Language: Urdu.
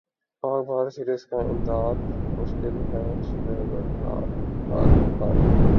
پاک بھارت سیریزکا انعقادمشکل ہے شہریارخان